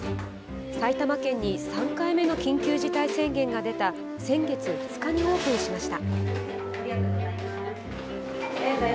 埼玉県に３回目の緊急事態宣言が出た先月２日にオープンしました。